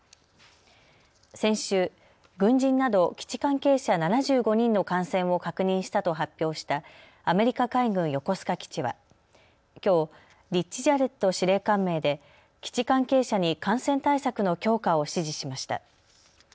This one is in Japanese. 先週、軍人など基地関係者７５人の感染を確認したと発表したアメリカ海軍横須賀基地はきょう、リッチ・ジャレット司令官名で基地関係者に感染対策の強化を指示しました。